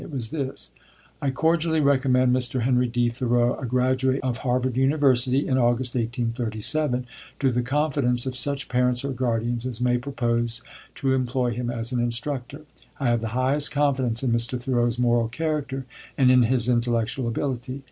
It was this: "I cordially recommend Mr. Henry D. Thoreau, a graduate of Harvard University in August, 1837, to the confidence of such parents or guardians as may propose to employ him as an instructor. I have the highest confidence in Mr. Thoreau's moral character, and in his intellectual ability.